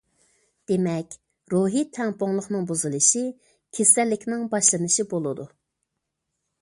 دېمەك، روھىي تەڭپۇڭلۇقنىڭ بۇزۇلۇشى كېسەللىكنىڭ باشلىنىشى بولىدۇ.